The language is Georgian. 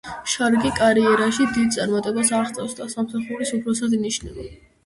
შარიკი კარიერაში დიდ წარმატებას აღწევს და სამსახურის უფროსად ინიშნება.